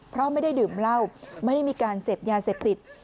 เพราะไม่ได้ดื่มเหล้าไม่ได้มีการเสพยาเสพติด